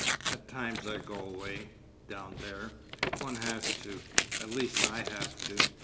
At times I go away—down there. One has to. At least I have to.